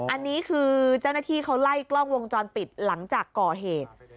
อันนี้คือเจ้าหน้าที่เขาไล่กล้องวงจรปิดหลังจากก่อเหตุ